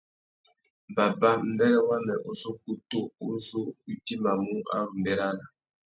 Baba, mbêrê wamê uzu ukutu u zu u idjimamú a ru mʼbérana.